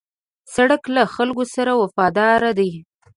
سړک له خلکو سره وفادار دی.